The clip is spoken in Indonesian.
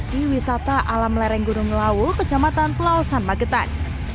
di wisata alam lereng gunung lawu kecamatan pelausan magetan